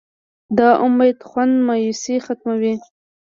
د امید خوند مایوسي ختموي.